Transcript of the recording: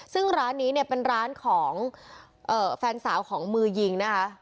ซึ่งร้านนี้เนี่ยเป็นร้านของแฟนสาวของมือยิงนะคะ